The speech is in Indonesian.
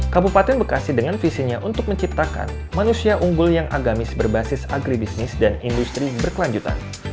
kabupaten bekasi dengan visinya untuk menciptakan manusia unggul yang agamis berbasis agribisnis dan industri berkelanjutan